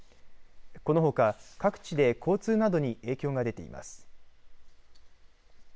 このほか各地で交通などに影響が出ています。